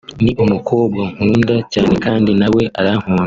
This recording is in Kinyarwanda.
ni umukobwa nkunda cyane kandi na we arankunda